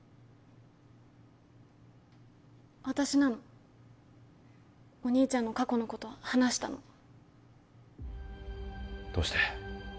私なのお兄ちゃんの過去のこと話したのどうして？